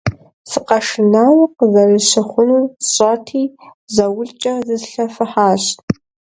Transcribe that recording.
Сыкъэшынауэ къызэрыщыхъунур сщӀэрти, заулкӀэ зислъэфыхьащ.